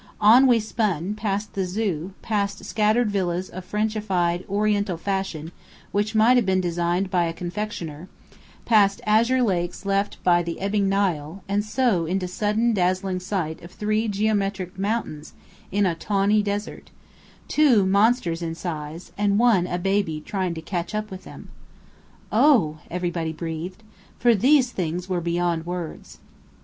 On we spun, past the Zoo, past scattered villas of Frenchified, Oriental fashion which might have been designed by a confectioner: past azure lakes left by the ebbing Nile, and so into sudden dazzling sight of three geometric mountains in a tawny desert two, monsters in size, and one a baby trying to catch up with them. "Oh!" everybody breathed. For these things were beyond words.